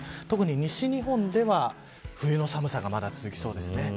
特に西日本では冬の寒さがまだ続きそうです。